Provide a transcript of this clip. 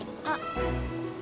あっ。